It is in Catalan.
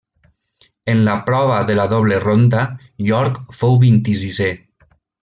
En la prova de la doble ronda York fou vint-i-sisè.